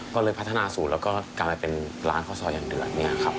ก็เลยพัฒนาสูตรแล้วก็กลายเป็นร้านข้าวซอยอย่างเดือด